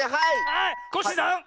はいコッシーさん！